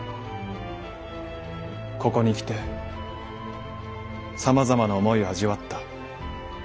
ここに来てさまざまな思いを味わった。